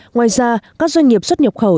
ngoài ra các doanh nghiệp xuất nhập khẩu